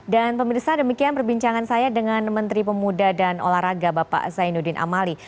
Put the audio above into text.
dan pemirsa demikian perbincangan saya dengan menteri pemuda dan olahraga bapak zainuddin amali